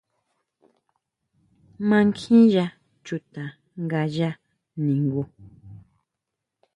¿Mankjiya chuta ngaya ningu?